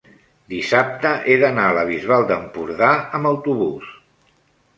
dissabte he d'anar a la Bisbal d'Empordà amb autobús.